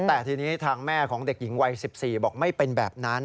แต่ทีนี้ทางแม่ของเด็กหญิงวัย๑๔บอกไม่เป็นแบบนั้น